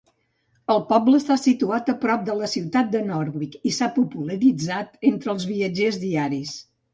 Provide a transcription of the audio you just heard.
El poble està situat a prop de la ciutat de Norwich i s'ha popularitzat entre els viatgers diaris.